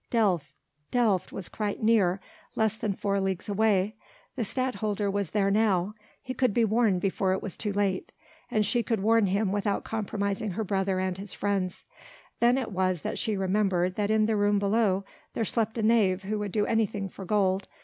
Delft.... Delft was quite near, less than four leagues away ... the Stadtholder was there now ... he could be warned before it was too late ... and she could warn him without compromising her brother and his friends.... Then it was that she remembered that in the room below there slept a knave who would do anything for gold.